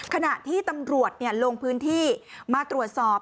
ขณะที่ตำรวจลงพื้นที่มาตรวจสอบ